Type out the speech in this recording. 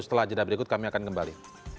setelah jeda berikut kami akan kembali